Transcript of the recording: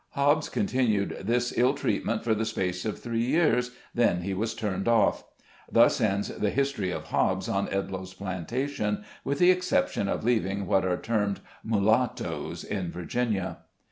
Hobbs continued this ill treatment for the space of three years, then he was turned off. Thus ends the history of Hobbs on Edloe's plantation, with the exception of leaving what are termed "mulattoes" in Virginia.